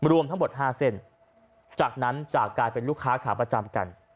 รวมทั้งหมด๕เส้นจากนั้นจะกลายเป็นลูกค้าขาประจำกัน